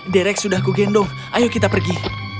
derek sudah kugendong ayo kita pergi